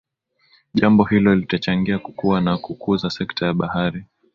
Jambo hilo litachangia kukua na kukuza sekta ya bahari